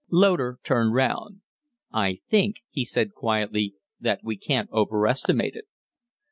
Loder turned round. "I think," he said, quietly, "that we can't overestimate it."